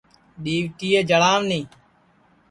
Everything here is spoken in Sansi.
ڈؔؔیوٹیئے جݪاو نی